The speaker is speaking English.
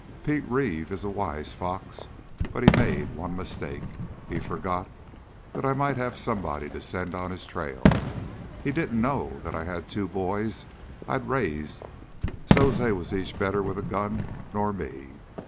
Pete Reeve is a wise fox, but he made one mistake. He forgot that I might have somebody to send on his trail. He didn't know that I had two boys I'd raised so's they was each better with a gun nor me.